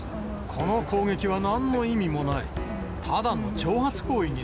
この攻撃はなんの意味もない。